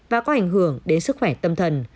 và có ảnh hưởng đến sức khỏe tâm thần